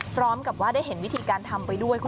พร้อมกับว่าได้เห็นวิธีการทำไปด้วย